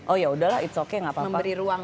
oh yaudah lah it's okay gak apa apa